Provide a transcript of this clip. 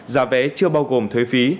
giá vé chưa bao gồm thuế phí